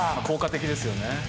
効果的ですよね。